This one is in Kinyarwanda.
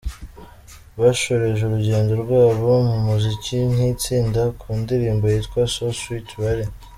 Bashoreje urugendo rwabo mu muziki nk'itsinda ku ndirimbo yitwa So Sweet bari